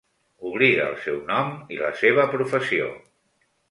Oblida el seu nom i la seva professió.